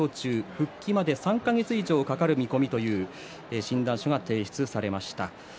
復帰まで３か月以上かかる見込みという診断書が提出されました。